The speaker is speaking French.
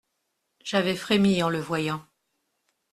J’avais frémis en le voyant.